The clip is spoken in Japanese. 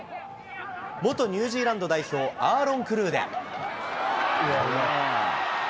元ニュージーランド代表、アーロン・クルーデン。